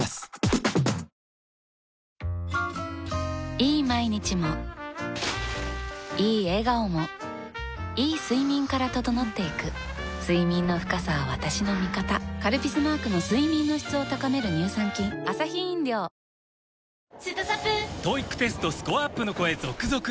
いい毎日もいい笑顔もいい睡眠から整っていく睡眠の深さは私の味方「カルピス」マークの睡眠の質を高める乳酸菌へぇー！